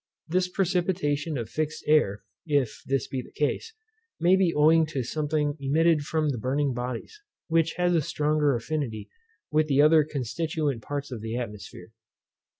This precipitation of fixed air (if this be the case) may be owing to something emitted from the burning bodies, which has a stronger affinity with the other constituent parts of the atmosphere.